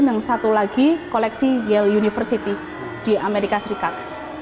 dan satu lagi koleksi yale university di amerika serikat